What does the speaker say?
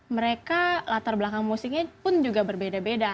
mereka latar belakang musiknya pun juga berbeda beda